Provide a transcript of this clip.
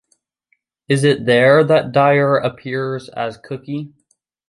It is there that Dyer appears as Cookie.